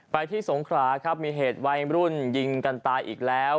ไปที่สงขราครับมีเหตุวัยรุ่นยิงกันตายอีกแล้ว